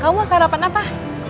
kamu mau sarapan apa